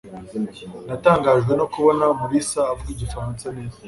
natangajwe no kubona mulisa avuga igifaransa neza